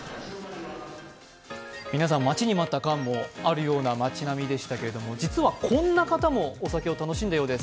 皆さん、待ちに待った感もあるような町並みでしたけれども、実は、こんな方もお酒を楽しんだようです。